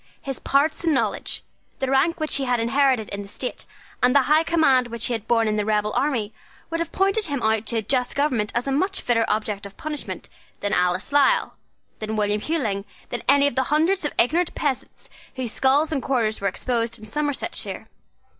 His parts and knowledge, the rank which he had inherited in the state, and the high command which he had borne in the rebel army, would have pointed him out to a just government as a much fitter object of punishment than Alice Lisle, than William Hewling, than any of the hundreds of ignorant peasants whose skulls and quarters were exposed in Somersetshire.